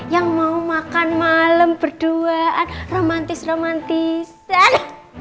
yang mau makan malem berduaan romantis romantisan